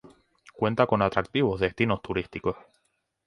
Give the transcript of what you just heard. Cuenta con atractivos destinos turísticos.